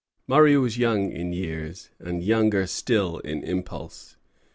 Murray was young in years, and younger still in impulse.